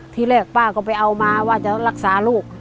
ที่แรกป้าก็ไปเอามาว่าจะรักษาลูก